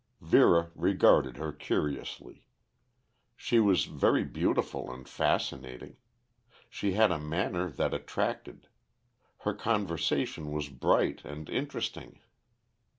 Vera regarded her curiously. She was very beautiful and fascinating. She had a manner that attracted. Her conversation was bright and interesting.